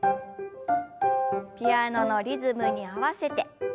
ピアノのリズムに合わせて。